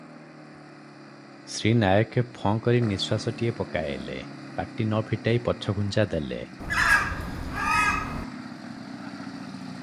ଶ୍ରୀ ନାୟକେ ଫଁ କରି ନିଶ୍ୱାସଟାଏ ପକାଇଲେ, ପାଟି ନ ଫିଟାଇ ପଛଘୁଞ୍ଚା ଦେଲେ ।